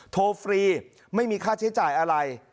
ฟรีไม่มีค่าใช้จ่ายอะไร